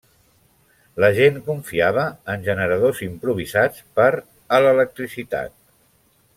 La gent confiava en generadors improvisats per a l'electricitat.